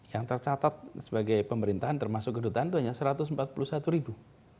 yang tercatat sebagai pemerintahan termasuk kedutaan itu hanya satu ratus empat puluh satu ribu